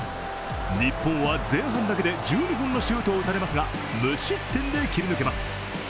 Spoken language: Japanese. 日本は前半だけで１２本のシュートを打たれますが無失点で切り抜けます。